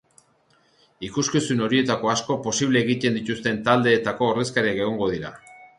Ikuskizun horietako asko posible egiten dituzten taldeetako ordezkariak egongo dira.